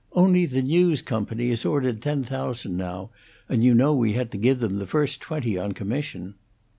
Only, the 'News Company' has ordered ten thousand now; and you know we had to give them the first twenty on commission."